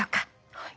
はい。